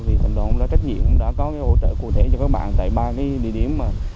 vì thành đoàn đà nẵng đã trách nhiệm đã có hỗ trợ cụ thể cho các bạn tại ba địa điểm